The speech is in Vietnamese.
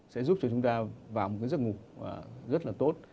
sẽ giúp cho chúng ta vào một cái giấc ngủ rất là tốt